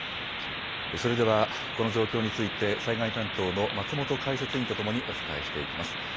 それでは、この状況について災害担当の松本解説委員と共にお伝えしていきます。